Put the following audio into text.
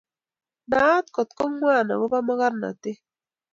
naat kootng'wang' akobo mokornatet